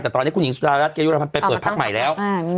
แต่ตอนนี้คุณหญิงสุดารัฐเกยุรพันธ์ไปเปิดพักใหม่แล้ว